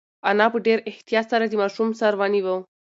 انا په ډېر احتیاط سره د ماشوم سر ونیو.